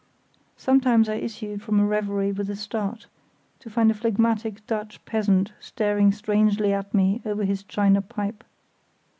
Sometimes I issued from a reverie with a start, to find a phlegmatic Dutch peasant staring strangely at me over his china pipe.